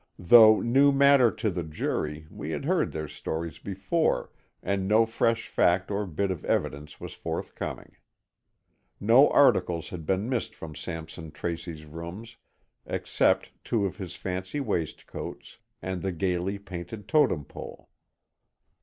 Though new matter to the jury, we had heard their stories before, and no fresh fact or bit of evidence was forthcoming. No articles had been missed from Sampson Tracy's rooms except two of his fancy waistcoats and the gayly painted Totem Pole.